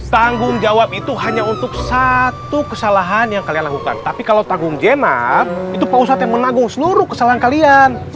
tanggung jawab itu hanya untuk satu kesalahan yang kalian lakukan tapi kalau tanggung jenab itu pak ustadz yang menanggung seluruh kesalahan kalian